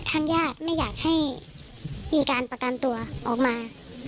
ทางญาติไม่อยากให้มีการประกันตัวออกมา